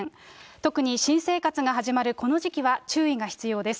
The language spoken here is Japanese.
特に新生活が始まるこの時期は、注意が必要です。